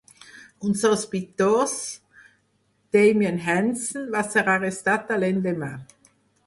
Un sospitós, Damien Hanson, va ser arrestat a l'endemà.